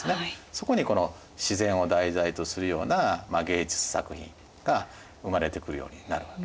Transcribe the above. そこにこの自然を題材とするような芸術作品が生まれてくるようになるわけですね。